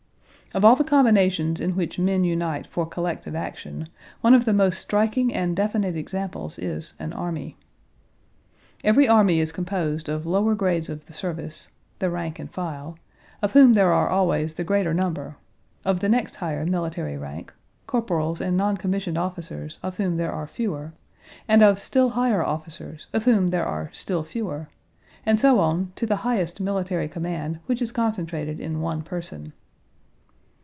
Of all the combinations in which men unite for collective action one of the most striking and definite examples is an army. Every army is composed of lower grades of the service—the rank and file—of whom there are always the greatest number; of the next higher military rank—corporals and noncommissioned officers of whom there are fewer, and of still higher officers of whom there are still fewer, and so on to the highest military command which is concentrated in one person.